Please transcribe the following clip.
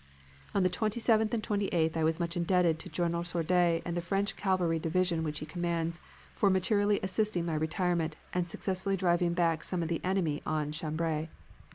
"On the 27th and 28th I was much indebted to General Sordet and the French Cavalry Division which he commands for materially assisting my retirement and successfully driving back some of the enemy on Cambrai.